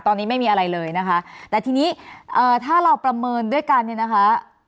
ตอนนี้ไม่มีอะไรเลยนะคะแต่ทีนี้เอ่อถ้าเราประเมินด้วยกันเนี่ยนะคะ